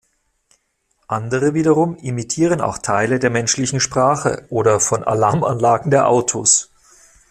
Andere wiederum imitieren auch Teile der menschlichen Sprache oder von Alarmanlagen der Autos.